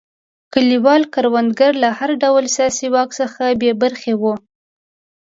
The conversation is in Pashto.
کلیوال کروندګر له هر ډول سیاسي واک څخه بې برخې وو.